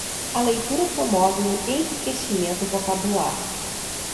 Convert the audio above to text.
A leitura promove o enriquecimento vocabular